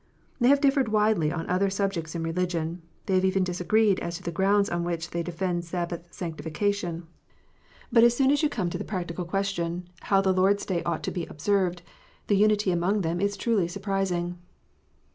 They have differed widely on other subjects in religion : they have even disagreed as to the grounds on which they defend Sabbath sanctification : but as soon as you come THE SABBATH. 313 to the practical question, "how the Lord s Day ought to be observed," the unity among them is truly surprising.